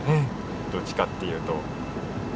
どっちかっていうと。